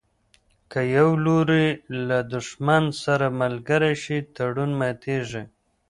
که یو لوری له دښمن سره ملګری شي تړون ماتیږي.